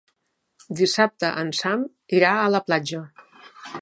Dissabte en Sam irà a la platja.